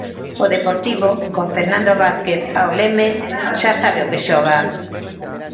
O Deportivo, con Fernando Vázquez ao leme, xa sabe a que xoga.